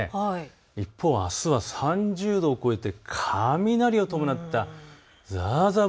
一方、あすは３０度を超えて雷を伴ったざーざー